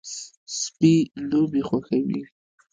سپي لوبې خوښوي.